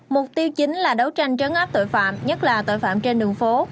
mục tiêu chính là đấu tranh trấn áp tội phạm nhất là tội phạm trên đường phố